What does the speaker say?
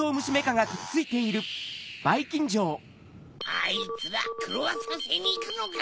あいつらクロワッサンせいにいくのか！